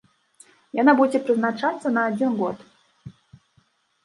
Яна будзе прызначацца на адзін год.